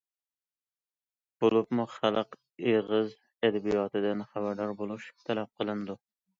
بولۇپمۇ خەلق ئېغىز ئەدەبىياتىدىن خەۋەردار بولۇش تەلەپ قىلىنىدۇ.